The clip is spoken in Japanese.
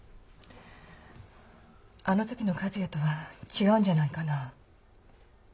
あの時の和也とは違うんじゃないかな。